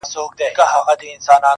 ځکه نو فلسفه